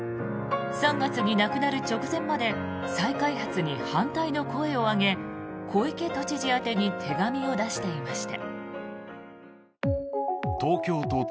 ３月に亡くなる直前まで再開発に反対の声を上げ小池都知事宛てに手紙を出していました。